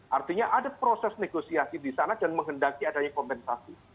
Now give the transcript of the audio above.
artinya ada proses negosiasi di sana dan menghendaki adanya kompensasi